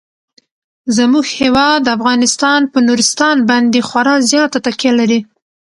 زموږ هیواد افغانستان په نورستان باندې خورا زیاته تکیه لري.